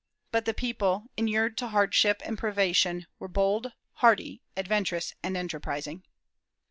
But the people, inured to hardship and privation, were bold, hardy, adventurous, and enterprising.